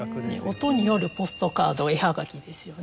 音によるポストカード絵はがきですよね。